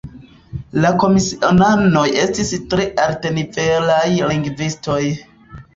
La komisionanoj estis tre altnivelaj lingvistoj.